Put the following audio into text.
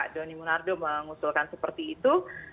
doni munardo mengusulkan seperti itu